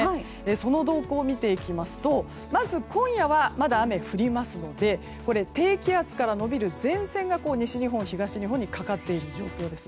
その動向を見ていきますとまず、今夜はまだ雨降りますので低気圧から延びる前線が西日本、東日本にかかっている状況です。